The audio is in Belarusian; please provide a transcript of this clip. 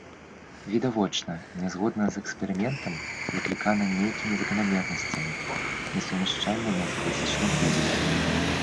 Відавочна нязгода з эксперыментам выклікана нейкімі заканамернасцямі, несумяшчальнымі з класічнай фізікай.